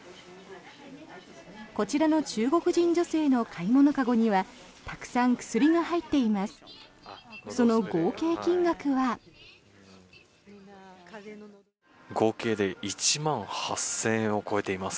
こちらの中国人女性の買い物籠にはたくさん薬が入っています。